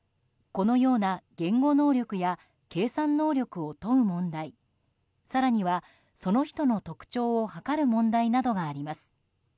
このような言語能力や計算能力を問う問題更にはその人の特徴を測る問題などがあります。